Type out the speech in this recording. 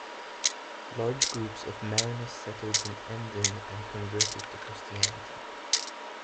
Large groups of Marranos settled in Emden and converted to Christianity.